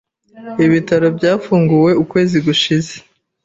Ibitaro byafunguwe ukwezi gushize.